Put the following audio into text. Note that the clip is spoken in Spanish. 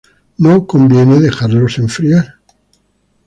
No conviene dejarlos enfriar.